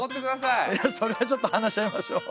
いやそれはちょっと話し合いましょう。